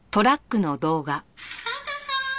「サンタさん！